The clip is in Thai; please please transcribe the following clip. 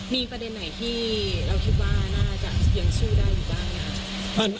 มีประเด็นไหนที่เราคิดว่าน่าจะยังสู้ได้อยู่บ้างนะ